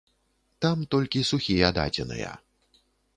Там толькі сухія дадзеныя.